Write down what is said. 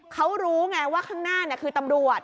เขารู้ไงว่าข้างหน้าคือตำรวจ